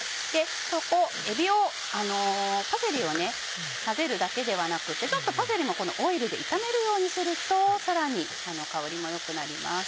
パセリを混ぜるだけではなくてパセリもこのオイルで炒めるようにするとさらに香りも良くなります。